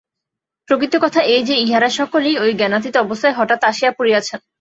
প্রকৃত কথা এই যে, ইঁহারা সকলেই ঐ জ্ঞানাতীত অবস্থায় হঠাৎ আসিয়া পড়িয়াছেন।